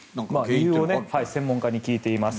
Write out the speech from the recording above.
理由を専門家に聞いています。